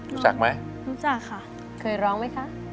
รู้จักไหม